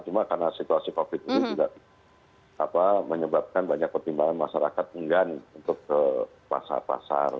cuma karena situasi covid ini juga menyebabkan banyak pertimbangan masyarakat enggan untuk ke pasar pasar